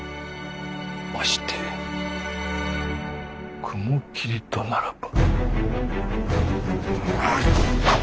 まして雲霧とならば。